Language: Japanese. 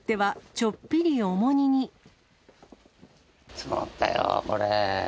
積もったよ、これ。